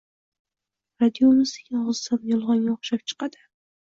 Radiomizning og‘zidan yolg‘onga o‘xshab chiqadi.